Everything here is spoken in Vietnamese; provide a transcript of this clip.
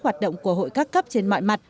hoạt động của hội các cấp trên mọi mặt